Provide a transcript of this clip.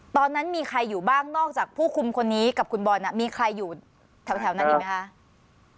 ตอนนั้นมีใครอยู่บ้างนอกจากผู้คุมคนนี้กับคุณบอลมีใครอยู่แถวนั้นอีกไหมคะ